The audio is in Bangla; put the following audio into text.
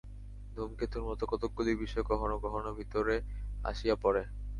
ধূমকেতুর মত কতকগুলি বিষয় কখনও কখনও ভিতরে আসিয়া পড়ে।